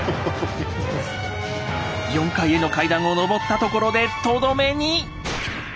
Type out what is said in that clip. ４階への階段をのぼったところでとどめに。